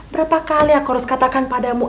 berapa kali aku harus katakan padamu